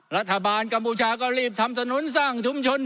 รัฐบาลกัมพูชาก็รีบทำถนนสร้างชุมชน